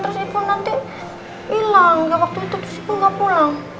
terus ibu nanti hilang ya waktu itu terus ibu gak pulang